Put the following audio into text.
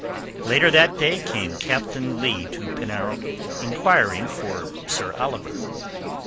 Later that day came Captain Leigh to Penarrow inquiring for Sir Oliver.